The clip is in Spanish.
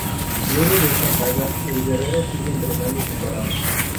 Luego de esta saga, el guerrero sigue entrenando sin parar.